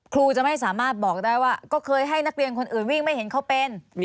ครูจะไม่สามารถบอกได้ว่าก็เคยให้นักเรียนคนอื่นวิ่งไม่เห็นเขาเป็น